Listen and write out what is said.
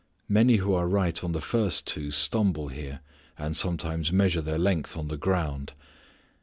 Many who are right on the first two stumble here, and sometimes measure their length on the ground.